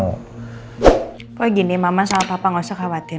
kok gini mama sama papa gak usah khawatir